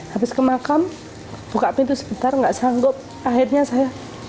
habis ke makam buka pintu sebentar nggak sanggup akhirnya saya